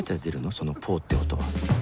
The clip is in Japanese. その「ポ」って音は